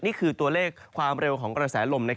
นี่คือตัวเลขความเร็วของกระแสลม